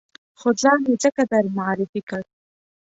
خو ځان مې ځکه در معرفي کړ.